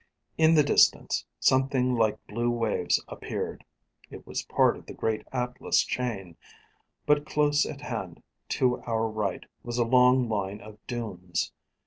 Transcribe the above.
In the distance, something like blue waves appeared: it was part of the great Atlas chain; but close at hand, to our right, was a long line of dunes.